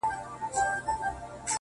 وجود مي غم ناځوانه وړی دی له ځانه سره’